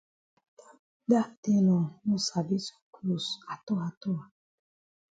Dat tailor no sabi sew closs atol atol.